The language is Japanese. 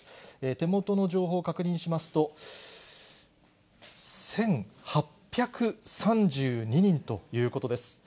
手元の情報を確認しますと、１８３２人ということです。